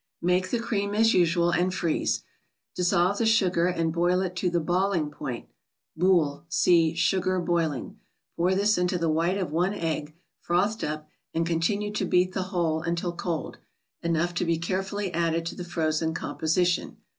Make the cream as usual, and freeze. Dissolve the sugar and boil it to the " balling point" (< boule —see " Sugar Boiling "). Pour this into the white of one egg, frothed up, and continue to beat the whole, until cold enough to be carefully added to the frozen composition.